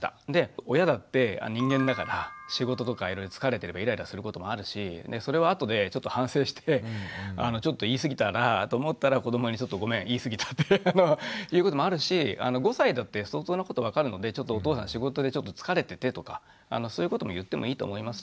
親だって人間だから仕事とかいろいろ疲れてればイライラすることもあるしそれを後でちょっと反省してちょっと言い過ぎたなと思ったら子どもに「ちょっとごめん言い過ぎた」って言うこともあるし５歳だって相当なこと分かるので「お父さん仕事でちょっと疲れてて」とかそういうことも言ってもいいと思いますしね。